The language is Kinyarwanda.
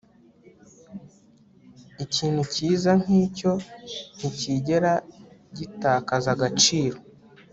Ikintu cyiza nkicyo nticyigera gitakaza agaciro